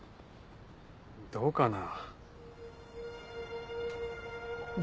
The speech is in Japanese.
どうかな。